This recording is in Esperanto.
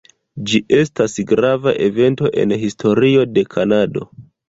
Ĝi estas grava evento en historio de Kanado.